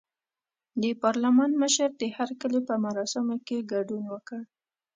د پارلمان مشر د هرکلي په مراسمو کې ګډون وکړ.